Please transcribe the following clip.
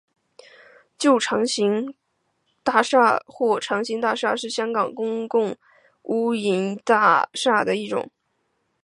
旧长型大厦或长型大厦是香港公共屋邨大厦的一种。